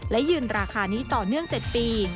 และยืนราคานี้ต่อเนื่อง๗ปี